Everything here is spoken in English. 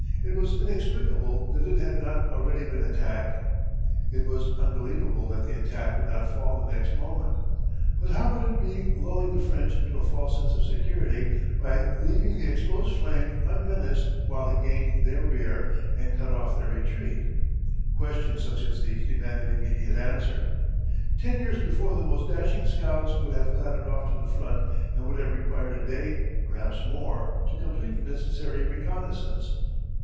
It was inexplicable that it had not already been attacked. It was unbelievable that the attack would not fall the next moment. But how would it be delivered and where, and what force would the enemy bring to it? Was von Kluck lulling the British into a false sense of security by leaving the exposed flank unmenaced while he gained their rear and cut off their retreat? Questions such as these demanded immediate answer. Ten years before the most dashing scouts would have clattered off to the front and would have required a day, perhaps more, to complete the necessary reconnaissance.